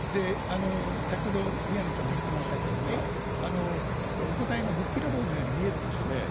先ほど、宮根さんも言ってましたけどね、お答えがぶっきらぼうのように見えるでしょ。